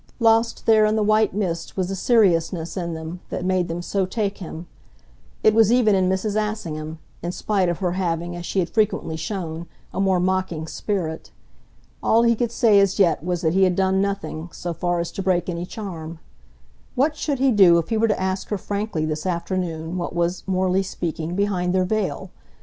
Lost there in the white mist was the seriousness in them that made them so take him. It was even in Mrs. Assingham, in spite of her having, as she had frequently shown, a more mocking spirit. All he could say as yet was that he had done nothing, so far as to break any charm. What should he do if he were to ask her frankly this afternoon what was, morally speaking, behind their veil.